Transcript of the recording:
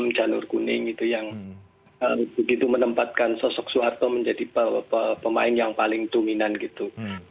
dan nur kuning itu yang begitu menempatkan sosok suharto menjadi pemain yang paling dominan gitu